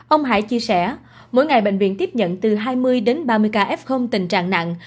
ông hải chia sẻ mỗi ngày bệnh viện tiếp nhận từ hai mươi đến ba mươi ca f tình trạng nặng